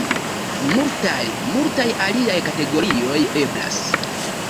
Multaj, multaj aliaj kategorioj eblas.